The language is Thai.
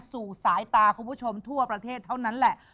สู่สายตาคุณผู้ชมทั่วประเทศเท่านั้นแหละ